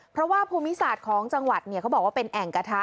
เพราะว่าภูมิศาสตร์ของจังหวัดเขาบอกว่าเป็นแอ่งกระทะ